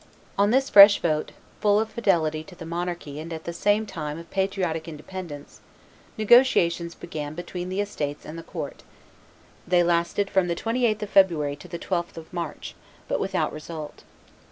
On this fresh vote, full of fidelity to the monarchy and at the same time of patriotic independence, negotiations began between the estates and the court; and they lasted from the 28th of February to the 12th of March, but without result.